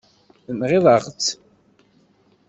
Tenɣiḍ-aɣ-tt.